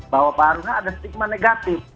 bahwa pak haruna ada stigma negatif